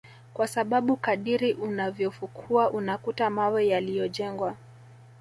kwa sababu kadiri unavyofukua unakuta mawe yaliyojengwa